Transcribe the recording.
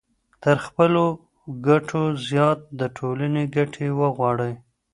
تر خپلو ګټو زيات د ټولني ګټې وغواړئ.